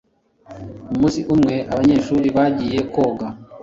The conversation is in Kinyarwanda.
Umunsi umwe abanyeshuri bagiye koga